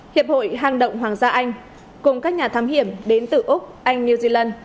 hiệp hội hang động hoàng gia anh cùng các nhà thám hiểm đến từ úc anh new zealand